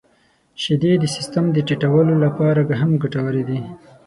• شیدې د سیستم د ټيټولو لپاره هم ګټورې دي.